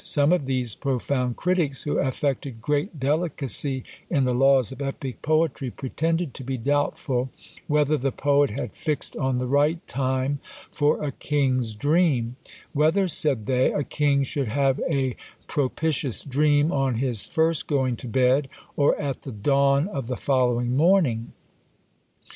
Some of these profound critics, who affected great delicacy in the laws of epic poetry, pretended to be doubtful whether the poet had fixed on the right time for a king's dream; whether, said they, a king should have a propitious dream on his first going to bed or at the dawn of the following morning?